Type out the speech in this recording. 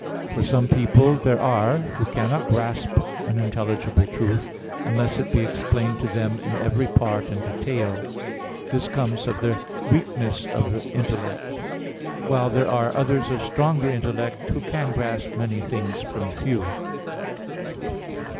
For some people there are who cannot grasp an intelligible truth, unless it be explained to them in every part and detail; this comes of their weakness of intellect: while there are others of stronger intellect, who can grasp many things from few.